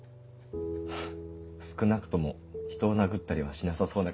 少なくともひとを殴ったりはしなさそう。